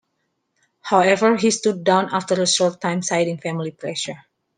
However he stood down after a short time citing family pressures.